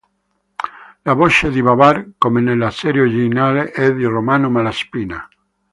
La voce di Babar, come nella serie originale, è di Romano Malaspina.